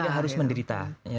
tidak harus menderita